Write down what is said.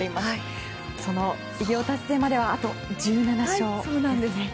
その偉業達成まではあと１７勝ですね。